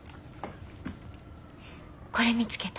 これ見つけた。